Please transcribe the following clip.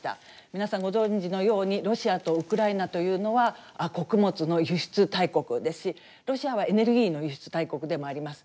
皆さんご存じのようにロシアとウクライナというのは穀物の輸出大国ですしロシアはエネルギーの輸出大国でもあります。